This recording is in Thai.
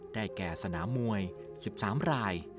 ได้แก่สนามวย๑๓ราย